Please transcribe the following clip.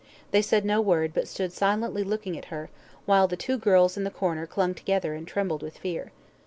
They said no word, but stood silently looking at her, while the two girls in the corner clung together, and trembled with fear.